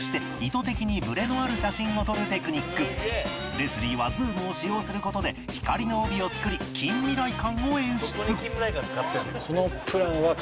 レスリーはズームを使用する事で光の帯を作り近未来感を演出！